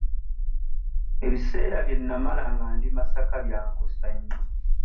Ebiseera bye nnamala nga ndi Masaka byankosa nnyo.